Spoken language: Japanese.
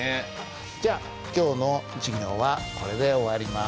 じゃ今日の授業はこれで終わります。